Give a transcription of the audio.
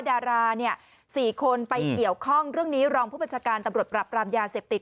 ดาราเนี่ย๔คนไปเกี่ยวข้องเรื่องนี้รองผู้บัญชาการตำรวจปรับปรามยาเสพติด